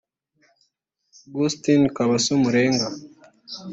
Augustine Kabaso Mulenga